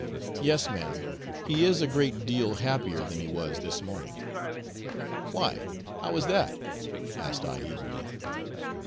'Yes, ma'am; he is a great deal happier than he was this morning.' 'Why, how is that?' asked I eagerly.